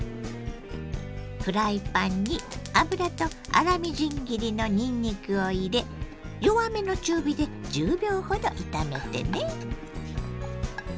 フライパンに油と粗みじん切りのにんにくを入れ弱めの中火で１０秒ほど炒めてね。